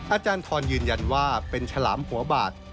อาจารย์ทรยืนยันว่าเป็นฉลามหัวบาด